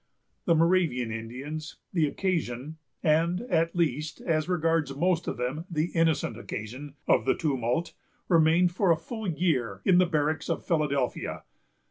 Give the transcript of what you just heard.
The Moravian Indians, the occasion——and, at least, as regards most of them, the innocent occasion——of the tumult, remained for a full year in the barracks of Philadelphia.